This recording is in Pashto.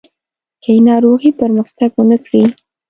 که یې ناروغي پرمختګ ونه کړي.